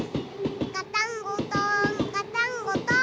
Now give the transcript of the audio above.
ガタンゴトンガタンゴトン。